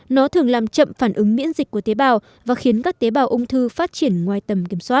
nó thường làm chậm phản ứng miễn dịch của tế bào và khiến các tế bào ung thư phát triển ngoài tầm kiểm soát